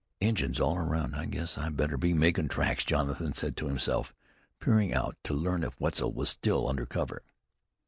"Injuns all around; I guess I'd better be makin' tracks," Jonathan said to himself, peering out to learn if Wetzel was still under cover.